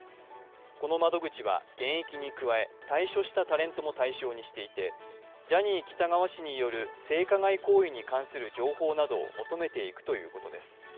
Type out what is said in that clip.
この窓口は現役に加え、退所したタレントも対象にしていて、ジャニー喜多川氏による性加害行為に関する情報などを求めていくということです。